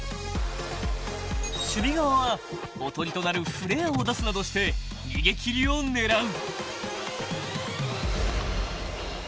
［守備側はおとりとなるフレアを出すなどして逃げ切りを狙う］